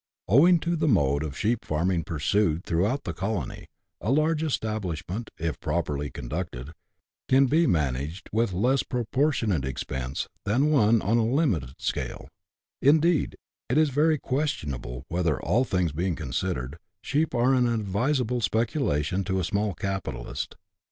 Owing to the mode of sheep farming pursued throughout the colony, a large establish ment, if properly conducted, can be managed with less propor tionate expense than one on a limited scale ; indeed, it is very questionable whether, all things being considered, sheep are an advisable speculation to a small capitalist.